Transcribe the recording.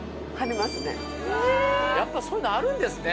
やっぱそういうのあるんですね。